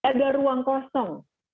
di mana negara juga harus mampu menjangkau